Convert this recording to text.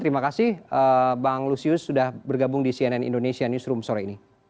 terima kasih bang lusius sudah bergabung di cnn indonesia newsroom sore ini